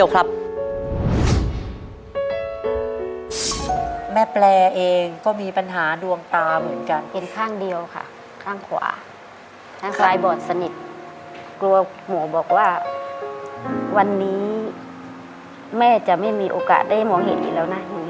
กลัวหัวบอกว่าวันนี้แม่จะไม่มีโอกาสได้มองเห็นอีกแล้วนะ